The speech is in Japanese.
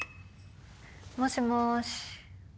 もしもし。